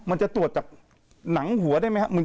มันจะตรวจจากหนังหัวได้ไหมครับ